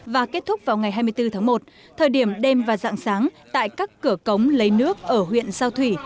và kết thúc vào ngày hai mươi bốn tháng một thời điểm đêm và dạng sáng tại các cửa cống lấy nước ở huyện sao thủy